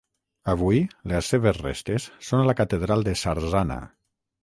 Avui, les seves restes són a la catedral de Sarzana.